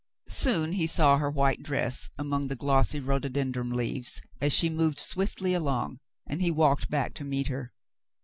Soon he saw her white dress among the glossy rhododendron leaves as she moved swiftly along, and he walked back to meet her.